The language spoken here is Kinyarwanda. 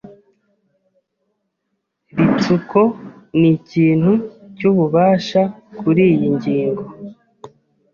Ritsuko nikintu cyububasha kuriyi ngingo.